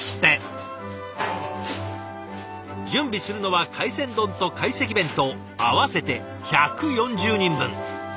準備するのは海鮮丼と懐石弁当合わせて１４０人分。